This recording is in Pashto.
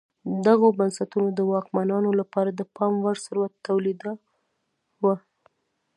دغو بنسټونو د واکمنانو لپاره د پام وړ ثروت تولیداوه